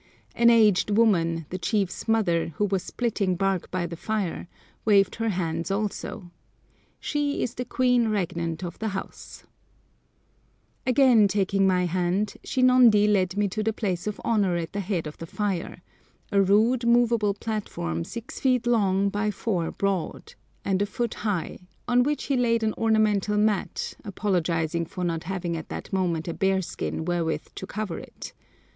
An aged woman, the chief's mother, who was splitting bark by the fire, waved her hands also. She is the queen regnant of the house. [Picture: Aino Millet Mill and Pestle] Again taking my hand, Shinondi led me to the place of honour at the head of the fire—a rude, movable platform six feet long by four broad, and a foot high, on which he laid an ornamental mat, apologising for not having at that moment a bearskin wherewith to cover it.